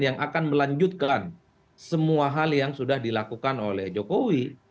yang akan melanjutkan semua hal yang sudah dilakukan oleh jokowi